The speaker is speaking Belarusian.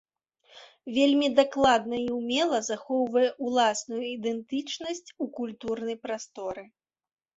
Вельмі дакладна і ўмела захоўвае ўласную ідэнтычнасць у культурнай прасторы.